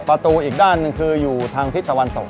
อีกด้านหนึ่งคืออยู่ทางทิศตะวันตก